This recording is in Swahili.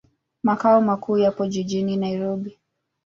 Makao makuu yapo jijini Nairobi.